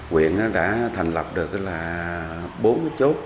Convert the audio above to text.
huyện đã thành lập được là bốn cái chốt